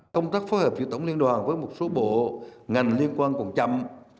công tác phối hợp giữa tổng liên đoàn với một số bộ ngành liên quan còn chậm